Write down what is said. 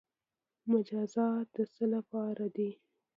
مجازات د څه لپاره دي؟